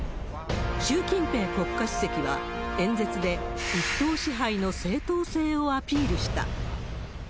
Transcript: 習近平国家主席は、演説で、一党支配の正当性をアピールした。